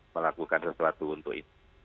melakukan sesuatu untuk itu